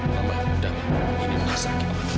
mama udah ini malas sakit